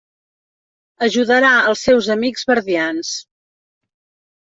Ajudarà els seus amics verdians.